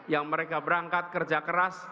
yang mereka berangkat kerja keras